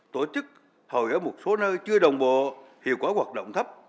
tổ chức hội ở một số nơi chưa đồng bộ hiệu quả hoạt động thấp